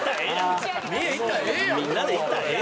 みんなで行ったらええやん。